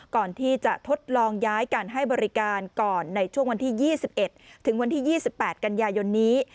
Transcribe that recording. ก่อนที่จะทดลองย้ายการให้บริการก่อนในช่วงวันที่๒๑ถึงวันที่๒๘กันยายนนี้